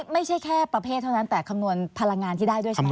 ไม่ใช่แค่ประเภทเท่านั้นแต่คำนวณพลังงานที่ได้ด้วยใช่ไหม